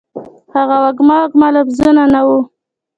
هغه وږمه، وږمه لفظونه ، نه وه